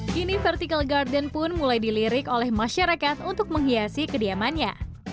kini vertical garden pun mulai dilirik oleh masyarakat untuk menghiasi kediamannya